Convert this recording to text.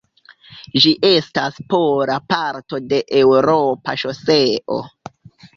Ĝi estas pola parto de eŭropa ŝoseo.